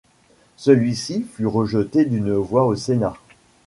Celui-ci fut rejeté d'une voix au Sénat.